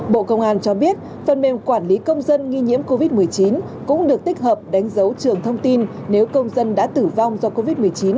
bộ công an cho biết phần mềm quản lý công dân nghi nhiễm covid một mươi chín cũng được tích hợp đánh dấu trường thông tin nếu công dân đã tử vong do covid một mươi chín